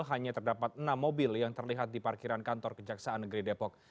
hanya terdapat enam mobil yang terlihat di parkiran kantor kejaksaan negeri depok